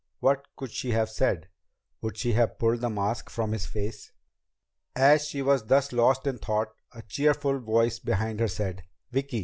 What could she have said? Would she have pulled the mask from his face? As she was thus lost in thought, a cheerful voice behind her said: "Vicki!"